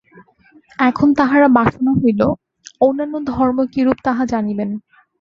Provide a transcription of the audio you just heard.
এখন তাঁহারা বাসনা হইল, অন্যান্য ধর্ম কিরূপ তাহা জানিবেন।